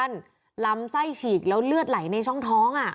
ลำไส้ฉีกแล้วเลือดไหลในช่องท้อง